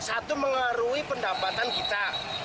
satu mengaruhi pendapatan kita